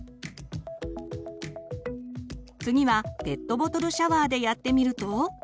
次はペットボトルシャワーでやってみると。